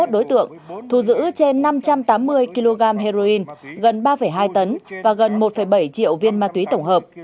bốn mươi bốn trăm sáu mươi một đối tượng thu giữ trên năm trăm tám mươi kg heroin gần ba hai tấn và gần một bảy triệu viên ma túy tổng hợp